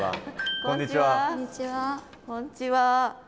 こんちは。